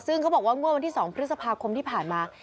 ซึ่งเขาบอกว่างวดวันที่๒พฤษภาคมที่ผ่านมา